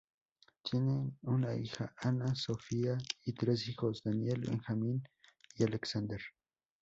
Tienen una hija, Anna-Sophia, y tres hijos, Daniel, Benjamín y Alexander.